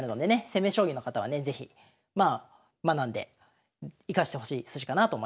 攻め将棋の方はね是非学んで生かしてほしい筋かなと思いますね。